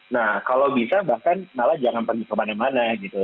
nah kalau bisa bahkan malah jangan pergi kemana mana gitu